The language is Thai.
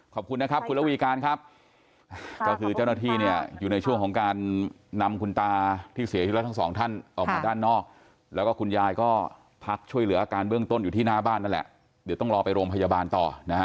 ขอบคุณนะครับคุณระวีการครับก็คือเจ้าหน้าที่เนี่ยอยู่ในช่วงของการนำคุณตาที่เสียชีวิตแล้วทั้งสองท่านออกมาด้านนอกแล้วก็คุณยายก็พักช่วยเหลืออาการเบื้องต้นอยู่ที่หน้าบ้านนั่นแหละเดี๋ยวต้องรอไปโรงพยาบาลต่อนะฮะ